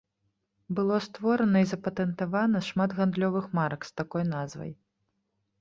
Было створана і запатэнтавана шмат гандлёвых марак з такой назвай.